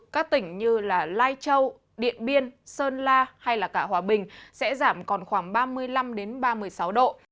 các tỉnh như lai châu điện biên sơn la hay cả hòa bình sẽ giảm còn khoảng ba mươi năm ba mươi sáu độ